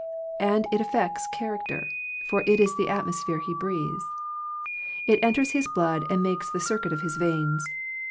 And it affects character; for it is the atmosphere he breathes. It enters his blood and makes the circuit of his veins.